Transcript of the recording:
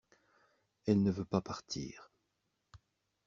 Elle ne veut pas partir.